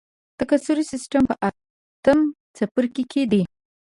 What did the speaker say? تکثري سیستم په اتم څپرکي کې دی.